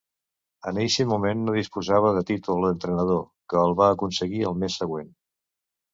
En eixe moment no disposava de títol d'entrenador, que el va aconseguir al mes següent.